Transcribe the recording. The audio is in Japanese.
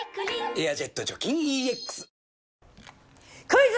「エアジェット除菌ＥＸ」クイズ！